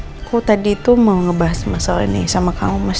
aku tadi itu mau ngebahas masalah ini sama kamu mas